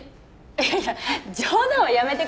いや冗談はやめてくださいよ。